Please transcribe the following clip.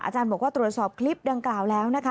บอกว่าตรวจสอบคลิปดังกล่าวแล้วนะคะ